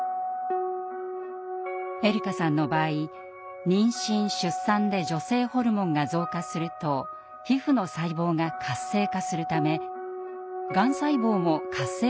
えりかさんの場合妊娠・出産で女性ホルモンが増加すると皮膚の細胞が活性化するためがん細胞も活性化するおそれがあるというのです。